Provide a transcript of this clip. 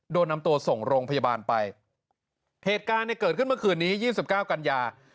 โดนนำตัวส่งโรงพยาบาลไปเหตุการณ์เนี่ยเกิดขึ้นเมื่อคืนนี้ยี่สิบเก้ากันยา